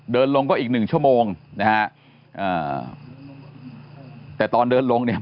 เดินลงก็อีก๑ชั่วโมงนะครับแต่ตอนเดินลงเนี่ย